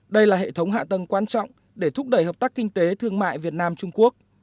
đây là hệ thống hạ tầng quan trọng để thúc đẩy hợp tác kinh tế thương mại việt nam trung quốc